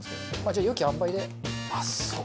じゃあ良きあんばいで。